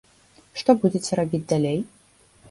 Што будзеце рабіць далей?